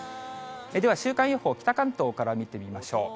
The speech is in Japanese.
では週間予報、北関東から見てみましょう。